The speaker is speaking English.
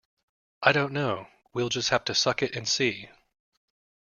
I don't know; we'll just have to suck it and see